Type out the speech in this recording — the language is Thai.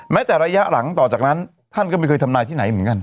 แต่ระยะหลังต่อจากนั้นท่านก็ไม่เคยทำนายที่ไหนเหมือนกัน